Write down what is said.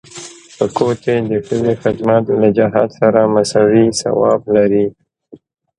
په کور کي د ښځي خدمت له جهاد سره مساوي ثواب لري.